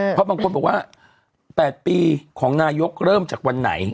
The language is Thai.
เพราะบางคนบอกว่า๘ปีของนายกเริ่มจากวันไหน